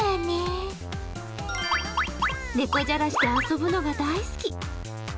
猫じゃらしと遊ぶのが大好き。